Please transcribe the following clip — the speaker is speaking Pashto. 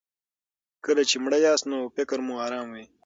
کله چې مړه یاست نو فکر مو ارام وي.